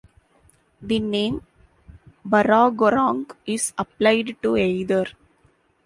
The name "Burragorang" is applied to either.